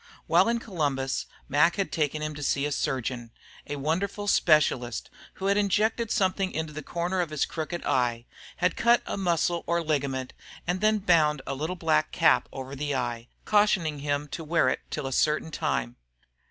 While in Columbus Mac had taken him to see a surgeon, a wonderful specialist, who had injected something into the corner of his crooked eye, had cut a muscle or ligament, and then bound a little black cap over the eye, cautioning him to wear it till a certain time.